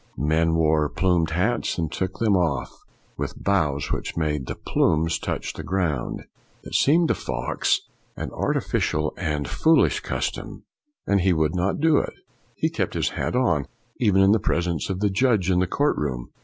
Men wore plumed hats, and took them off with bows which made the plumes touch the ground. It seemed to Fox an 277 278 FOX artificial and foolish custom, and he would not do it. He kept his hat on even in the presence of the judge in the court room.